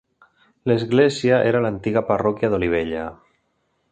L'església era l'antiga parròquia d'Olivella.